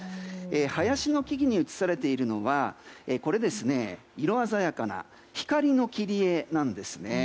林の木々に映されているのは色鮮やかな光の切り絵なんですね。